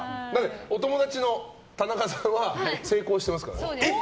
お友達の田中さんは成功していますから。